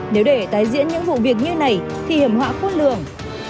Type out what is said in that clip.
nếu để tái diễn những vụ việc như này thì hiểm họa khuôn lượng